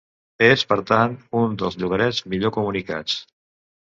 És, per tant, un dels llogarets millor comunicats.